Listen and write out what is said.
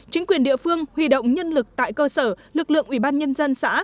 chính quyền địa phương huy động nhân lực tại cơ sở lực lượng ủy ban nhân dân xã